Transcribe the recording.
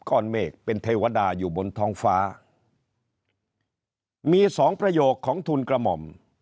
ก้อนเมฆเป็นเทวดาอยู่บนท้องฟ้ามีสองประโยคของทุนกระหม่อม